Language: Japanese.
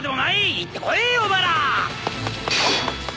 行ってこいお前ら！